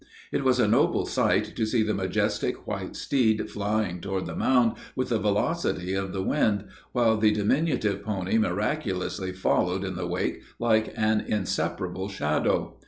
It was a noble sight to see the majestic white steed flying toward the mound with the velocity of the wind, while the diminutive pony miraculously followed in the wake like an inseparable shadow.